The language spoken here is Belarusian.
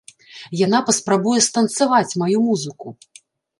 Яна паспрабуе станцаваць маю музыку!